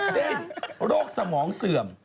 เช่นโรคสมองเสิร์ม